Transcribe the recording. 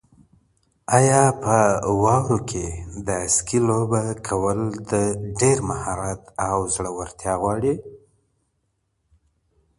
آیا په واورو کې د سکي لوبه کول ډېر مهارت او زړورتیا غواړي؟